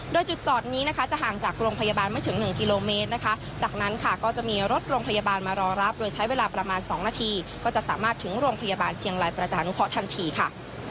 โดยจุดจอดนี้นะคะจะห่างจากโรงพยาบาลไม่ถึง๑กิโลเมตรนะคะจากนั้นค่ะก็จะมีรถโรงพยาบาลมารอรับโดยใช้เวลาประมาณ๒นาทีก็จะสามารถถึงโรงพยาบาลเชียงรายประชานุเคราะห์ทันทีค่ะ